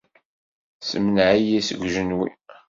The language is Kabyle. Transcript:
Semneɛ-iyi seg ujenwi.